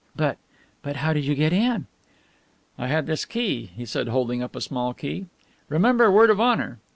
"But, but how did you get in." "I had this key," he said holding up a small key, "remember, word of honour!